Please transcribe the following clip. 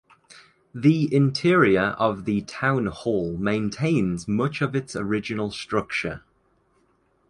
The interior of the town hall maintains much of its original structure.